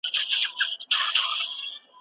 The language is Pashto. زه د خپلو ورېښتانو په مینځلو بوخت یم.